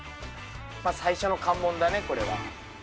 最初の関門だねこれは。